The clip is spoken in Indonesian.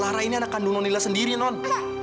lara ini anak kandung non lila sendiri non